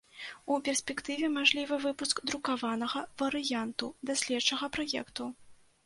У перспектыве мажлівы выпуск друкаванага варыянту даследчага праекту.